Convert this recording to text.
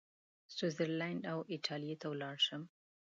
سویس زرلینډ او ایټالیې ته ولاړ شم.